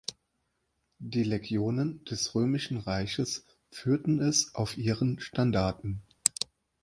Die Legionen des Römischen Reiches führten es auf ihren Standarten.